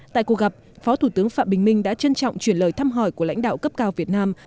tại cuộc gặp phó thủ tướng phạm bình minh đã trân trọng chuyển lời thăm hỏi của lãnh đạo cấp cao việt nam